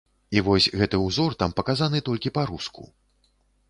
І вось гэты ўзор там паказаны толькі па-руску.